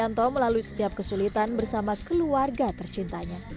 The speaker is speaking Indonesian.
nah kita juga ditemukan ditemukan di tempat keluarga sangat contoh